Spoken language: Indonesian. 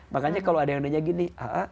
makanya kalau ada yang nanya gini